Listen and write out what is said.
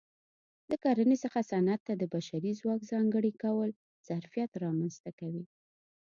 له کرنې څخه صنعت ته د بشري ځواک ځانګړي کول ظرفیت رامنځته کوي